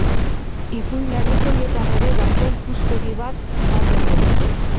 Ipuin herrikoietan ere gaurko ikuspegi bat ematen dut.